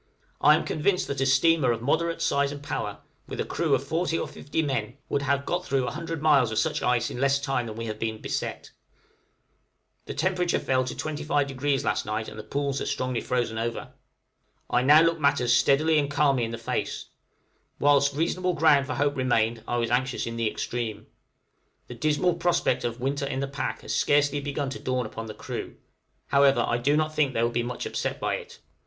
I am convinced that a steamer of moderate size and power, with a crew of forty or fifty men, would have got through a hundred miles of such ice in less time than we have been beset. The temperature fell to 25° last night, and the pools are strongly frozen over. I now look matters steadily and calmly in the face; whilst reasonable ground for hope remained I was anxious in the extreme. The dismal prospect of a "winter in the pack" has scarcely begun to dawn upon the crew; however, I do not think they will be much upset by it.